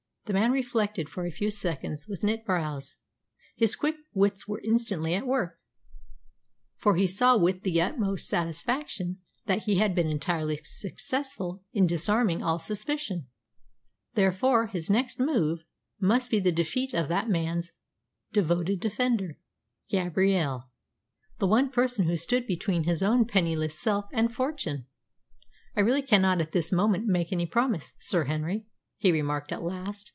The man reflected for a few seconds, with knit brows. His quick wits were instantly at work, for he saw with the utmost satisfaction that he had been entirely successful in disarming all suspicion; therefore his next move must be the defeat of that man's devoted defender, Gabrielle, the one person who stood between his own penniless self and fortune. "I really cannot at this moment make any promise, Sir Henry," he remarked at last.